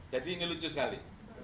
jadi ini lucu sekali